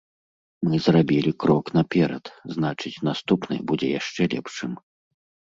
Мы зрабілі крок наперад, значыць наступны будзе яшчэ лепшым.